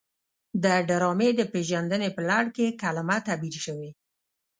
د ډرامې د پیژندنې په لړ کې کلمه تعبیر شوې.